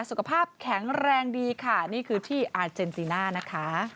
สุขภาพแข็งแรงดีค่ะนี่คือที่อาเจนติน่านะคะ